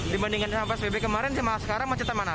di bandingkan psbb kemarin sama sekarang kemacetan mana